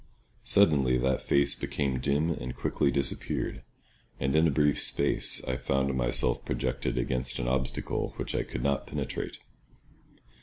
Suddenly that face became dim and quickly disappeared, and in a brief space I found myself projected against an obstacle which I could not penetrate.